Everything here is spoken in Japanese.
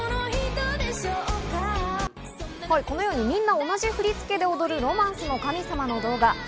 みんな同じ振り付けで踊る『ロマンスの神様』の動画。